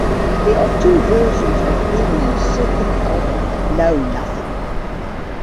There are two versions of Emmi's second album "No Nothing".